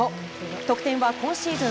得点は今シーズン